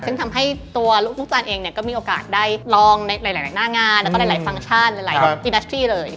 คุณลูกจันเองก็มีโอกาสได้ลองในหลายหน้างานแล้วก็หลายฟังก์ชันหลายอินดัสตรีเลย